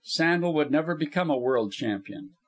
Sandel would never become a world champion.